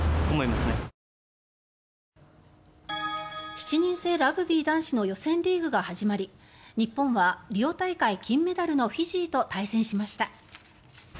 ７人制ラグビー男子の予選リーグが始まり日本はリオ大会金メダルのフィジーと対戦しました。